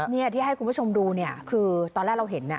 นี่ที่ให้คุณผู้ชมดูเนี่ยคือตอนแรกเราเห็น